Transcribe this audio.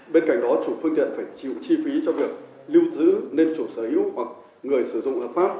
bên cạnh đó chủ phương tiện phải chịu chi phí cho việc lưu giữ nên chủ sở hữu hoặc người sử dụng hợp pháp